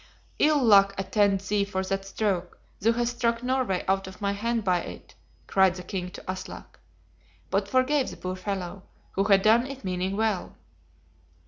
"Ill luck attend thee for that stroke; thou hast struck Norway out of my hand by it!" cried the king to Aslak; but forgave the poor fellow, who had done it meaning well.